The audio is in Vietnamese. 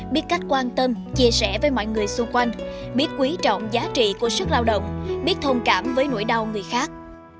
biết cách quan tâm chia sẻ với mọi người xung quanh biết quý trọng giá trị của sức lao động biết thông cảm với nỗi đau người khác